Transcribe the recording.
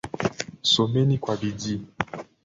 Someni kwa bidii.